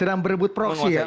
sedang berebut proksi ya